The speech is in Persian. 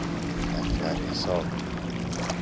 دفتر حساب